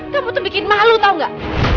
kamu tuh bikin malu tau gak